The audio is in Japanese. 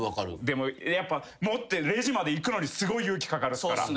でもやっぱ持ってレジまで行くのにすごい勇気かかるっすから。